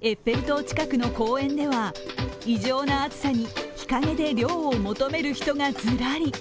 エッフェル塔近くの公園では異常な暑さに日陰で涼を求める人がずらり。